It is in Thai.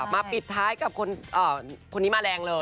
ปิดท้ายกับคนนี้มาแรงเลย